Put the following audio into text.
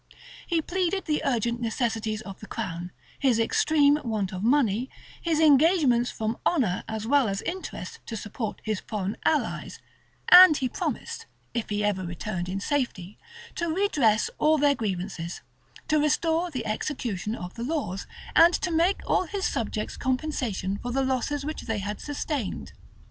He pleaded the urgent necessities of the crown; his extreme want of money; his engagements from honor as well as interest to support his foreign allies; and he promised, if ever he returned in safety, to redress all their grievances, to restore the execution of the laws, and to make all his subjects compensation for the losses which they had sustained.